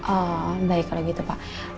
oh baik kalau gitu pak